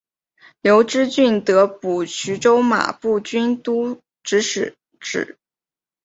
刘知俊得补徐州马步军都指挥使。